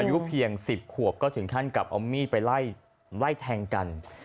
อายุเพียง๑๐ขวบก็ถึงขั้นกับเอามีดไปไล่แทงกัน